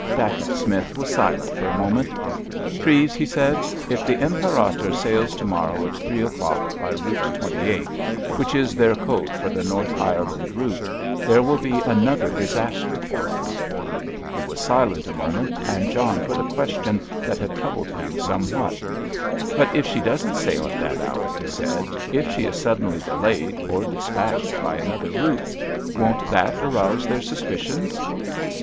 Dacent Smith was silent for a moment. "Treves," he said, "if the Imperator sails to morrow at three o'clock by Route 28, which is their code for the North Ireland route, there will be another disaster for us." He was silent a moment and John put a question that had troubled him somewhat. "But if she doesn't sail at that hour," he said; "if she is suddenly delayed or dispatched by another route, won't that arouse their suspicions?"